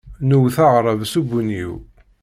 Nwet aɣrab s ubunyiw.